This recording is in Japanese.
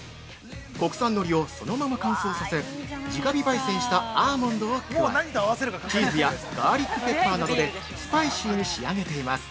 国産海苔をそのまま乾燥させ、直火ばい煎したアーモンドを加えチーズやガーリックペッパーなどでスパイシーに仕上げています。